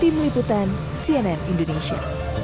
tim liputan cnn indonesia